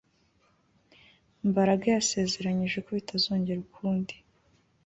Mbaraga yasezeranije ko bitazongera ukundi